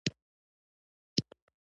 پاچا تل هيواد له سختو شرايطو سره مخ کوي .